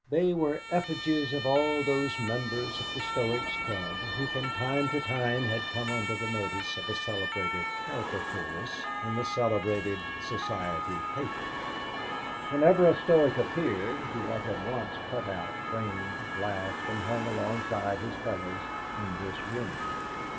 They were effigies of all those members of the Stoics' Club who from time to time had come under the notice of a celebrated caricaturist in a celebrated society paper. Whenever a Stoic appeared, he was at once cut out, framed, glassed, and hung alongside his fellows in this room.